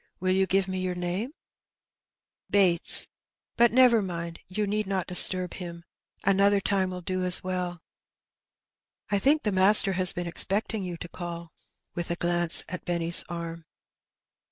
Will you give me your name ?^^" Bates. But never mind, you need not disturb him ; another time will do as well.^' " I think the master has been expecting you to call/* with a glance at Benny ^s arm.